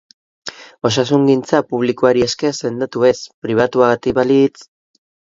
Osasungintza publikoari esker sendatu ez, pribatuagatik balitz...